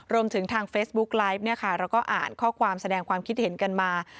รวมถึงทางเฟซบุ๊กไลฟ์เนี่ยค่ะเราก็อ่านข้อความแสดงความคิดเห็นกันมา